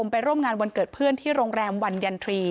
ไปร่วมงานวันเกิดเพื่อนที่โรงแรมวันยันทรี